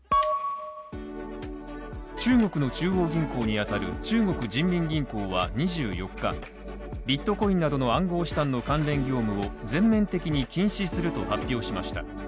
中国の中央銀行にあたる中国人民銀行は２４日、ビットコインなどの暗号資産の関連業務を全面的に禁止すると発表しました。